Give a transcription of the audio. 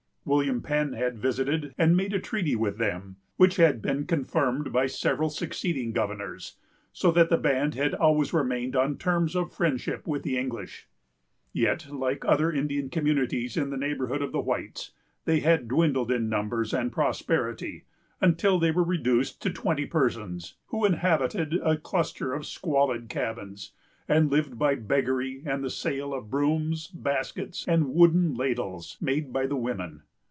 William Penn had visited and made a treaty with them, which had been confirmed by several succeeding governors, so that the band had always remained on terms of friendship with the English. Yet, like other Indian communities in the neighborhood of the whites, they had dwindled in numbers and prosperity, until they were reduced to twenty persons; who inhabited a cluster of squalid cabins, and lived by beggary and the sale of brooms, baskets, and wooden ladles, made by the women.